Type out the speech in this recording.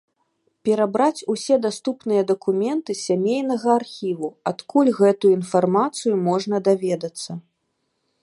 Перабраць усе даступныя дакументы з сямейнага архіву, адкуль гэтую інфармацыю можна даведацца.